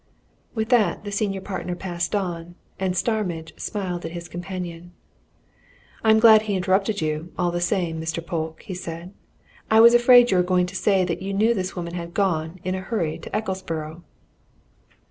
With that the senior partner passed on, and Starmidge smiled at his companion. "I'm glad he interrupted you, all the same, Mr. Polke," he said. "I was afraid you were going to say that you knew this woman had gone, in a hurry, to Ecclesborough."